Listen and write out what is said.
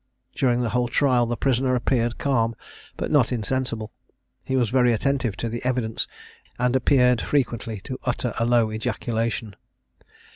During the whole trial the prisoner appeared calm, but not insensible. He was very attentive to the evidence, and appeared frequently to utter a low ejaculation.